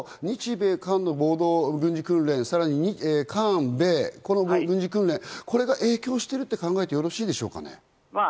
それを考えると日米韓の合同軍事訓練、韓米、この軍事訓練、これが影響していると考えてよろしいでしょうか？